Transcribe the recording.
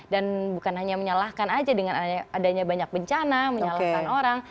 dan bukan hanya menyalahkan aja dengan adanya banyak bencana menyalahkan orang